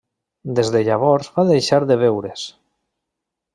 Des de llavors va deixar de veure's.